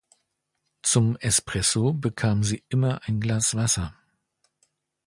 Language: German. Zum Espresso bekam sie immer ein Glas Wasser.